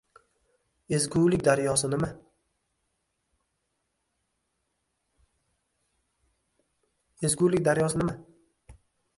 Ezgulik daryosi nima?